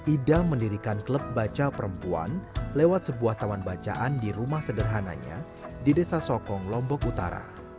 ida mendirikan klub baca perempuan lewat sebuah taman bacaan di rumah sederhananya di desa sokong lombok utara